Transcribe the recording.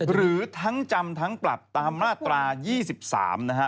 หรือทั้งจำทั้งปรับตามมาตรา๒๓นะฮะ